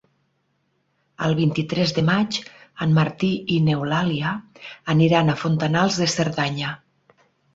El vint-i-tres de maig en Martí i n'Eulàlia aniran a Fontanals de Cerdanya.